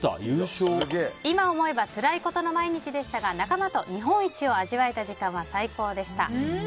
今思えばつらいことの毎日でしたが仲間と日本一を味わえた時間は最高でした。